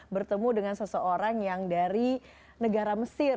bertemu dengan seseorang yang dari negara mesir